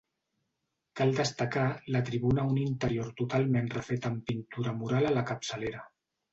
Cal destacar la tribuna a un interior totalment refet amb pintura mural a la capçalera.